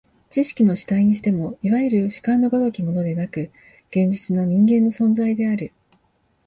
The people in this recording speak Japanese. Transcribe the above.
知識の主体にしても、いわゆる主観の如きものでなく、現実の人間の存在である。